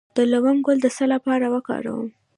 د لونګ ګل د څه لپاره وکاروم؟